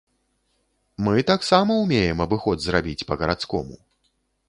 Мы таксама ўмеем абыход зрабіць па-гарадскому.